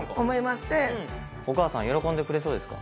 お母さん喜んでくれそうですか？